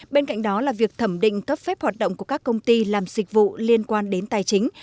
bên cạnh đó là việc thẩm định cấp phép hoạt động của các công ty làm dịch vụ liên quan đến tài chính